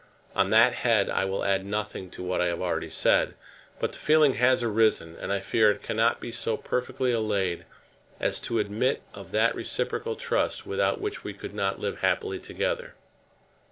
On that head I will add nothing to what I have already said; but the feeling has arisen; and I fear it cannot be so perfectly allayed as to admit of that reciprocal trust without which we could not live happily together.